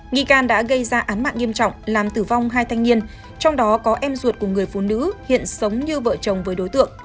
nghi can đã gây ra án mạng nghiêm trọng làm tử vong hai thanh niên trong đó có em ruột của người phụ nữ hiện sống như vợ chồng với đối tượng